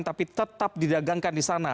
tapi tetap didagangkan di sana